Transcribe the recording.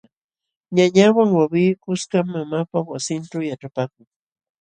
Ñañawan wawqii kuskam mamaapa wasinćhu yaćhapaakun.